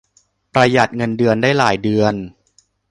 ประหยัดเงินเดือนได้หลายเดือน